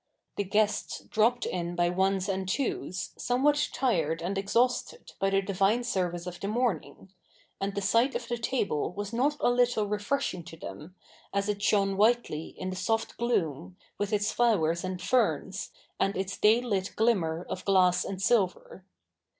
The guests dropped in by ones and twos, somewhat tired and exhausted by the divine service of the morning ; and the sight of the table was not a little refreshing to them, as it shone whitely in the soft gloom, with its flowers and ferns, and its day lit glimmer of glass and silver.